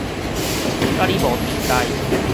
佮你無底代